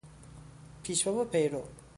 پیشوا و پیرو